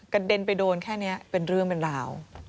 เด็นไปโดนแค่นี้เป็นเรื่องเป็นราว